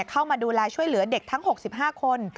เข้ามาดูแลช่วยเหลือเด็กทั้ง๖๕คน